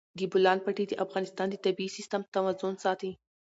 د بولان پټي د افغانستان د طبعي سیسټم توازن ساتي.